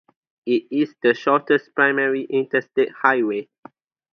It is the shortest primary Interstate Highway.